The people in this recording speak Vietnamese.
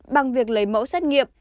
bằng việc lấy mẫu xét nghiệp